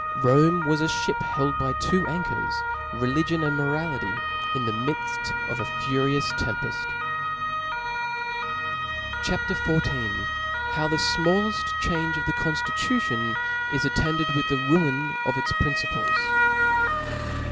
Rome was a ihip held by .. two anchors, religion and morality, in the midfb ef a furious temped. \; C H A P. XIV: 'Bow thefmallefi Change of the Conjlitution is attended with the Ruin of its Principles.